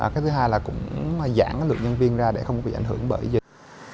cách thứ hai là cũng giãn lượng nhân viên ra để không bị ảnh hưởng bởi dân